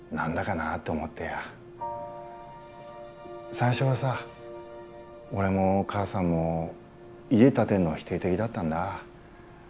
最初はさ俺も母さんも家建てんの否定的だったんだ。